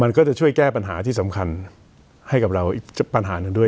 มันก็จะช่วยแก้ปัญหาที่สำคัญให้กับเราอีกปัญหาหนึ่งด้วย